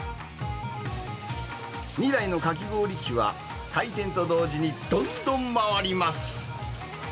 ２台のかき氷機は、開店と同時にどんどん回ります。